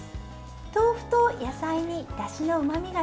豆腐と野菜にだしのうまみが